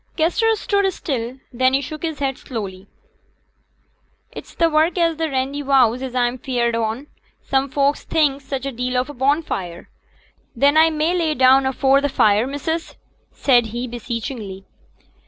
Kester stood still; then he shook his head slowly. 'It's t' work at t' Randyvowse as a'm afeared on. Some folks thinks such a deal o' a bonfire. Then a may lay me down afore t' fire, missus?' said he, beseechingly.